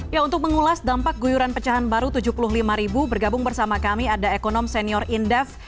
ya untuk mengulas dampak guyuran pecahan baru tujuh puluh lima ribu bergabung bersama kami ada ekonom senior indef